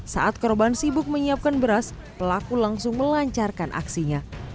saat korban sibuk menyiapkan beras pelaku langsung melancarkan aksinya